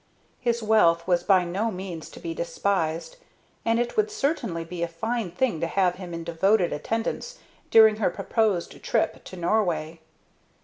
His wealth was by no means to be despised, and it would certainly be a fine thing to have him in devoted attendance during her proposed trip to Norway.